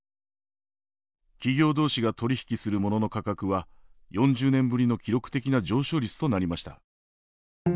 企業同士が取り引きする物の価格は４０年ぶりの記録的な上昇率となりました。